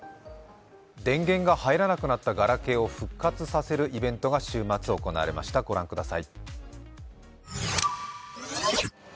電源が入らなくなったガラケーを復活させるイベントが週末行われました、御覧ください。